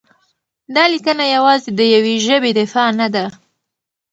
دا لیکنه یوازې د یوې ژبې دفاع نه ده؛